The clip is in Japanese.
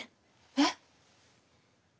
えっ！